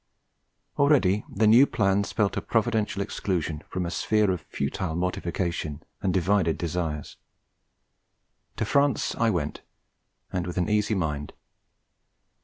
Already the new plan spelt a providential exclusion from a sphere of futile mortification and divided desires: to France I went, and with an easy mind.